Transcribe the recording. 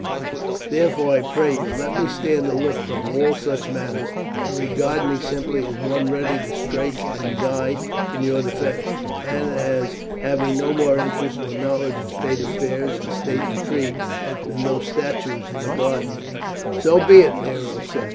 Therefore, I pray you, let me stand aloof from all such matters, and regard me simply as one ready to strike and die in your defence, and as having no more interest or knowledge of state affairs and state intrigues than those statues in the garden there." "So be it," Nero said.